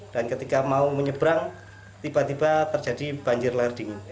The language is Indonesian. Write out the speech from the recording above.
dan ketika mau menyebrang tiba tiba terjadi banjir lahar dingin